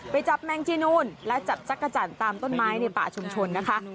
ไปจับแมงจีนูนและจับจักรจันทร์ตามต้นไม้ในป่าชุมชนนะคะ